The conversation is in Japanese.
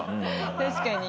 確かに。